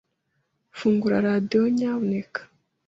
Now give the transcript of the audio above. Fungura radio, nyamuneka.